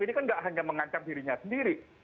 ini kan gak hanya mengancam dirinya sendiri